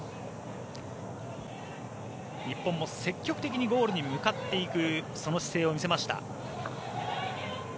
日本も積極的にゴールに向かっていく姿勢を見せました。